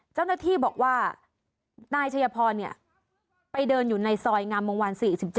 เจ้าหน้าที่บอกว่านายชัยพรไปเดินอยู่ในซอยงามวงวาน๔๗